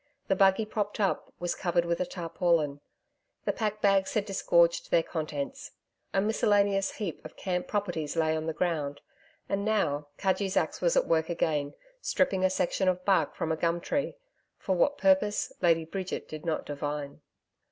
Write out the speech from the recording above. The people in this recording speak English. The buggy propped up, was covered with a tarpaulin. The pack bags had disgorged their contents. A miscellaneous heap of camp properties lay on the ground. And now, Cudgee's axe was at work again, stripping a section of bark from a gum tree, for what purpose Lady Bridget did not divine.